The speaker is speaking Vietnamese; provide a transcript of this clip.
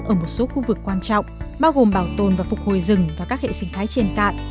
ở một số khu vực quan trọng bao gồm bảo tồn và phục hồi rừng và các hệ sinh thái trên cạn